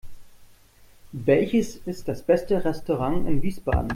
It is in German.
Welches ist das beste Restaurant in Wiesbaden?